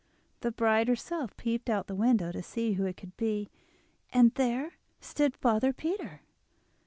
The bride herself peeped out of the window to see who it could be, and there stood father Peter!